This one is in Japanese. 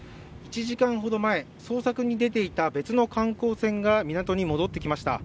１時間ほど前、捜索に出てきた別の観光船が港に戻ってきました。